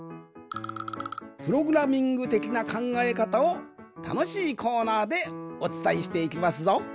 プログラミングてきなかんがえかたをたのしいコーナーでおつたえしていきますぞ。